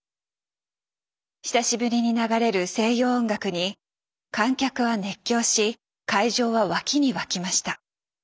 久しぶりに流れる西洋音楽に観客は熱狂し会場は沸きに沸きました。